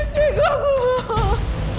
deku aku mau